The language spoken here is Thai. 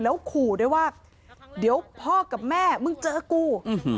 แล้วขู่ด้วยว่าเดี๋ยวพ่อกับแม่มึงเจอกู